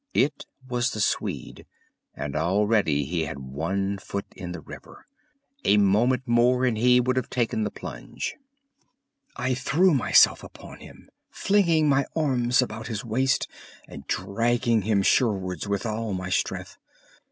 It was the Swede. And already he had one foot in the river! A moment more and he would have taken the plunge. I threw myself upon him, flinging my arms about his waist and dragging him shorewards with all my strength.